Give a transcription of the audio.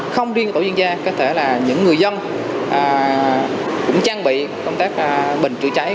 không riêng tổ liên gia có thể là những người dân cũng trang bị công tác bình chữa cháy